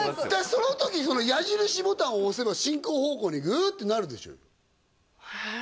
その時矢印ボタンを押せば進行方向にグーッてなるでしょうよええ？